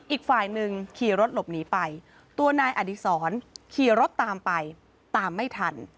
อีกฝ่ายหนึ่งขี่รถหลบหนีไปตัวนายอดีศรขี่รถตามไปตามไม่ทัน